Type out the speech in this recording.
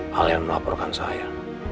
kalian melaporkan saya